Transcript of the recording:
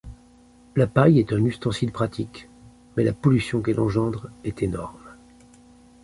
La paille est un ustensile pratique, mais la pollution qu'elle engendre est énorme.